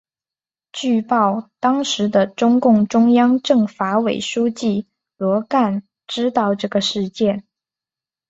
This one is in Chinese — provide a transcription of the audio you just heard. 据报当时的中共中央政法委书记罗干知道这个事件。